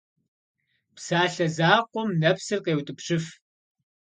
Псалъэ закъуэм нэпсыр къеутӏыпщыф.